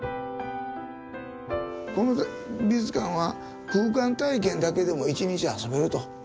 この美術館は空間体験だけでも一日遊べると。